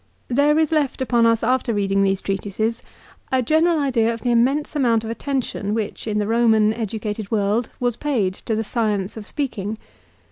There is left upon us after reading these treatises a general idea of the immense amount of attention which, in the Roman educated world, was paid to the science of speaking.